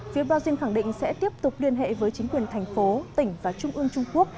phía brazil khẳng định sẽ tiếp tục liên hệ với chính quyền thành phố tỉnh và trung ương trung quốc